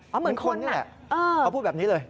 เหมือนคนนี่แหละเขาพูดแบบนี้เลย